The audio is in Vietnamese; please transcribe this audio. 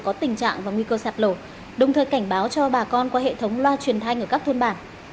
có tình trạng và nguy cơ sạt lở đồng thời cảnh báo cho bà con qua hệ thống loa truyền thanh ở các thôn bản